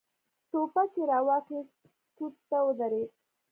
ټوپک يې را واخيست، توت ته ودرېد.